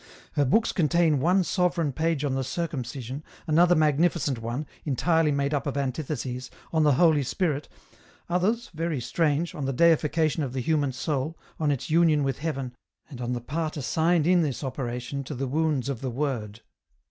Her books contain one sovereign page on the Circumcision, another magnificent one, entirely made up of antitheses, on the Holy Spirit, others, very strange, on the deification of the human soul, on its union with heaven, and on the part assigned in this operation to the wounds of the Word.